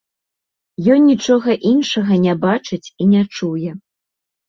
Ён нічога іншага не бачыць і не чуе.